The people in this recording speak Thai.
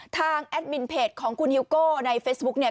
แอดมินเพจของคุณฮิวโก้ในเฟซบุ๊กเนี่ย